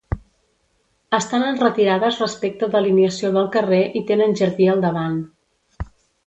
Estan enretirades respecte d'alineació del carrer i tenen jardí al davant.